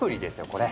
これ。